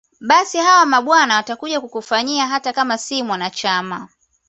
Basi hawa mabwana watakuja kukufanyia hata kama si mwanachama